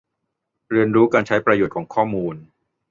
เรียนรู้การใช้ประโยชน์ของข้อมูล